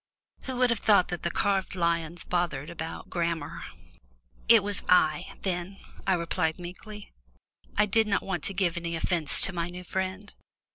Who would have thought that the carved lions bothered about grammar! "It was I, then," I repeated meekly. I did not want to give any offence to my new friend.